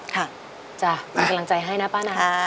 กำลังใจให้นะป้าน้อย